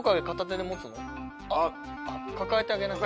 抱えてあげなきゃ。